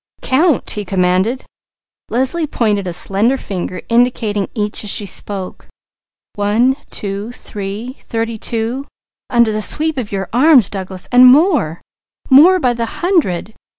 "Count!" he commanded. Leslie pointed a slender finger indicating each as she spoke: "One, two, three thirty two, under the sweep of your arms, Douglas! And more! More by the hundred!